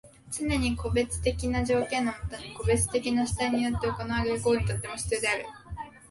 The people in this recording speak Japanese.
つねに個別的な条件のもとに個別的な主体によって行われる行為にとっても必要である。